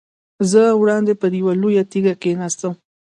زه وړاندې پر یوه لویه تیږه کېناستم.